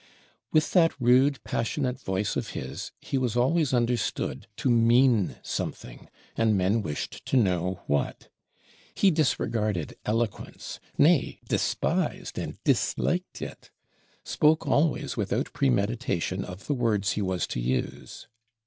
With that rude passionate voice of his, he was always understood to mean something, and men wished to know what. He disregarded eloquence, nay despised and disliked it; spoke always without premeditation of the words he was to use.